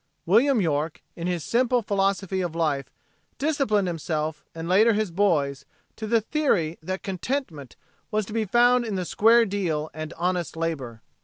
William York, in his simple philosophy of life, disciplined himself, and later his boys, to the theory that contentment was to be found in the square deal and honest labor.